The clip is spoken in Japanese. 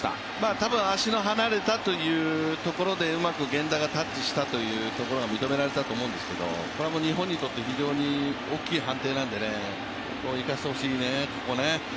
たぶん足の離れたというところでうまく源田がタッチしたというところが認められたと思うんですけどこれは日本にとって非常に大きい判定なんでこれを生かしてほしいね、ここね。